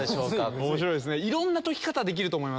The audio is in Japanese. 面白いですね。